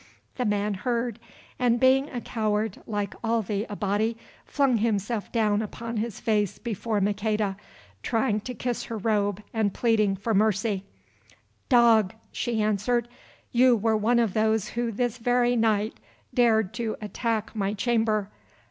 The man heard, and being a coward like all the Abati, flung himself upon his face before Maqueda, trying to kiss her robe and pleading for mercy. "Dog!" she answered, "you were one of those who this very night dared to attack my chamber.